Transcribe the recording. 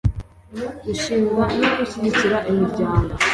Gushinga no gushyigikira imiryango